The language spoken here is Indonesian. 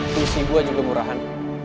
tuisi gue juga murahan